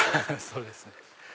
そうですね。